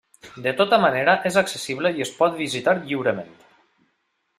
De tota manera és accessible i es pot visitar lliurement.